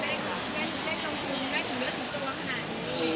แก้ต้องคุ้มแก้ถึงเลือดถึงตัวขนาดนี้